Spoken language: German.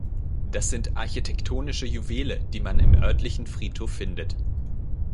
Das sind architektonische Juwele, die man im örtlichen Friedhof findet.